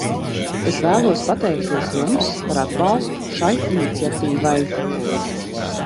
Es vēlos pateikties jums par atbalstu šai iniciatīvai.